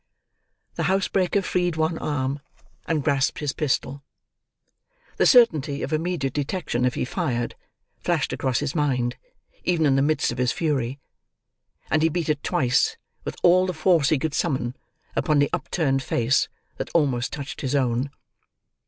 The housebreaker freed one arm, and grasped his pistol. The certainty of immediate detection if he fired, flashed across his mind even in the midst of his fury; and he beat it twice with all the force he could summon, upon the upturned face that almost touched his own.